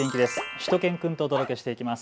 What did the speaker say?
しゅと犬くんとお届けしていきます。